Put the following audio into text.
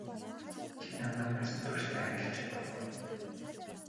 Чи намайг насан туршдаа хайрлаж чадах уу?